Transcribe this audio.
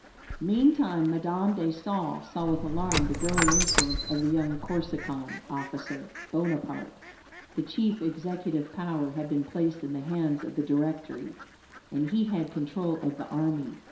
Meantime Madame de Staël saw with alarm the growing influence of the young Corsican officer, Bonaparte. The chief executive power had been placed in the hands of the Directory, and he had control of the army.